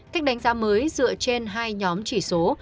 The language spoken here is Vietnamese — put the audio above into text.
cách đánh giá mới dựa trên hai nhóm chỉ số